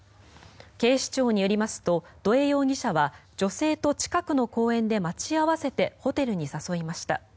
警視庁によりますと土江容疑者は女性と近くの公園で待ち合わせてホテルに誘いました。